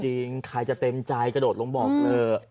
เอาจริงใครจะเต็มใจกระโดดลงบ่อเกลือ